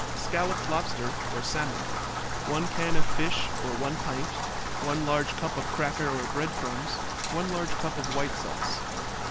Scalloped Lobster or Salmon 1 can of fish, or 1 pint. 1 large cup of cracker or bread crumbs. 1 large cup of white sauce.